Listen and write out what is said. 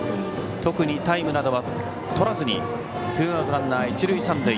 特にタイムなどはとらずツーアウトランナー、一塁三塁。